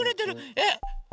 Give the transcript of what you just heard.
えっ。